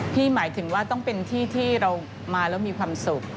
หมายถึงว่าต้องเป็นที่ที่เรามาแล้วมีความสุข